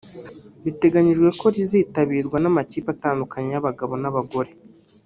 biteganyijwe ko rizitabirwa n’amakipe atandukanye y’abagabo n’abagore